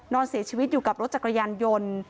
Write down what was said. นอนเสียชีวิตอยู่กับรถจักรยานยนต์